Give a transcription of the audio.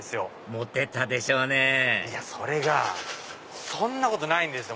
モテたでしょうねぇそれがそんなことないんですよ！